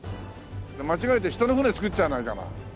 間違えて人の船造っちゃわないかな。